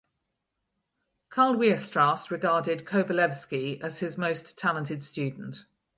Karl Weierstrass regarded Kovalevsky as his most talented student.